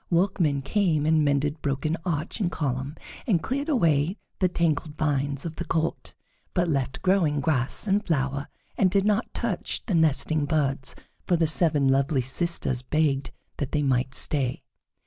Workmen came and mended broken arch and column, and cleared away the tangled vines of the court, but left growing grass and flower, and did not touch the nesting birds, for the seven lovely sisters begged that they might stay.